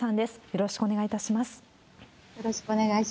よろしくお願いします。